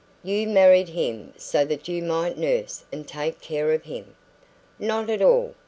You married him so that you might nurse and take care of him " "Not at all!"